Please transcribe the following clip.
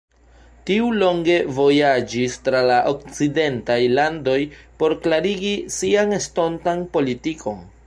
Tiu longe vojaĝis tra la okcidentaj landoj por klarigi sian estontan politikon.